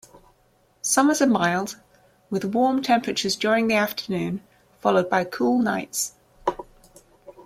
Summers are mild with warm temperatures during the afternoon followed by cool nights.